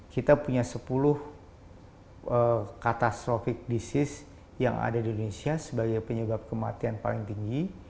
kita punya sepuluh catastrophic disease yang ada di indonesia sebagai penyebab kematian paling tinggi